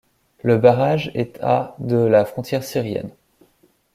Le barrage est à de la frontière syrienne.